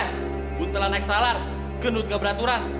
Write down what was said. hei buntelan ekstra large genut gak beraturan